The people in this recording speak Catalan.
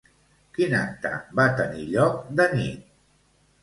Quin acte va tenir lloc de nit?